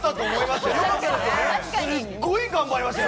すごい頑張りましたよ。